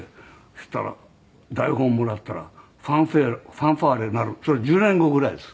そしたら台本もらったらファンファーレ鳴る１０年後ぐらいです